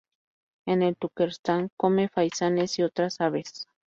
En el Turquestán come faisanes y otras aves.